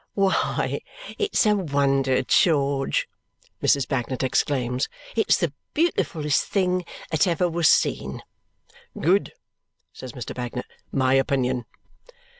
"Why, it's a wonder, George!" Mrs. Bagnet exclaims. "It's the beautifullest thing that ever was seen!" "Good!" says Mr. Bagnet. "My opinion."